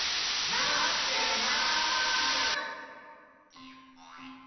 まってますっち！